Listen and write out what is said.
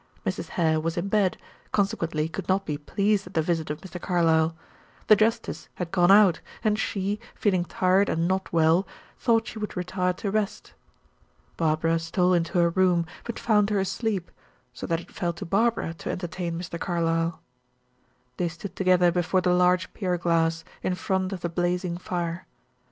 Mrs. Hare was in bed, consequently could not be pleased at the visit of Mr. Carlyle. The justice had gone out, and she, feeling tired and not well, thought she would retire to rest. Barbara stole into her room, but found her asleep, so that it fell to Barbara to entertain Mr. Carlyle. They stood together before the large pierglass, in front of the blazing fire.